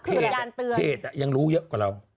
เพจยังรู้เยอะกว่าเรา